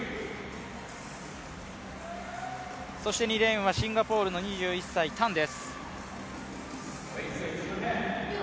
２レーンはシンガポールの２１歳、タンです。